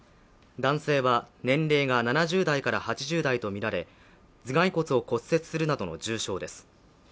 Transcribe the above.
男性は年齢が７０代から８０代とみられ、頭蓋骨を骨折するなどの重傷です。